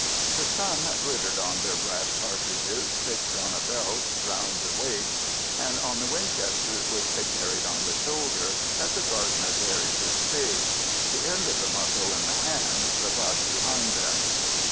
The sun glittered on their brass cartridges fixed in a belt round the waist, and on the Winchesters which they carried on the shoulder, as a gardener carries his spade; the end of the muzzle in the hand, the butt behind them.